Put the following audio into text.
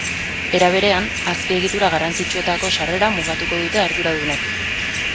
Era berean, azpiegitura garrantzitsuetako sarrera mugatuko dute arduradunek.